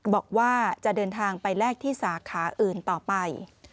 บอกว่าจะเดินทางไปแลกที่สาขาอื่นต่อไป